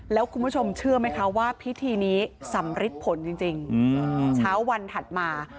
แล้วคุณผู้ชมเชื่อไหมคะว่าพิธีนี้สำริดผลจริงเช้าวันถัดมา